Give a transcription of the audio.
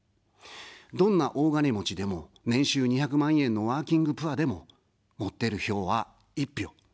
どんな大金持ちでも、年収２００万円のワーキングプアでも、持ってる票は１票。